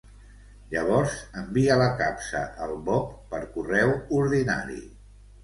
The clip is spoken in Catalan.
Llavors envia la capsa al Bob per correu ordinari.